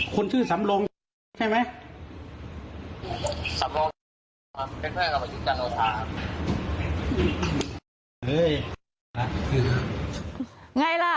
คุณชื่อสำโลห์ใช่ไหม